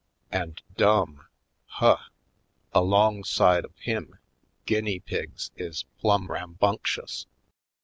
And dumb — huh! Alongside of him guinea pigs is plumb rambunctuous.